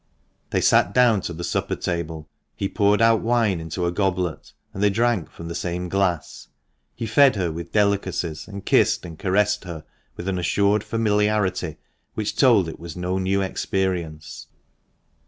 They sat down to the supper table ; he poured out wine into a goblet, and they drank from the same glass ; he fed her with delicacies, and kissed and caressed her with an assured familiarity which told it was no new experience.